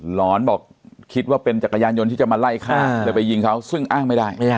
หลอนบอกคิดว่าเป็นจักรยานยนต์ที่จะมาไล่ฆ่าเลยไปยิงเขาซึ่งอ้างไม่ได้